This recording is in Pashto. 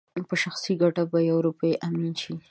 په شخصي ګټه په يوه روپۍ امين شي